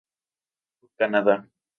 Ô Canada!